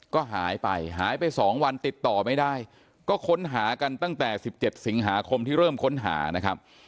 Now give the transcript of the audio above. ก็หายไปหายไป๒วันติดต่อไม่ได้ก็ค้นหากันตั้งแต่๑๗สิงหาคมที่เริ่มค้นหานะครับ